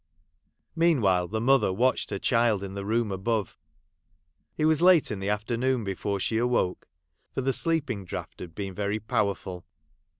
Meanwhile the mother watched her child in the room above. It was late in the afternoon before she awoke ; for the sleeping draught had been very powerful.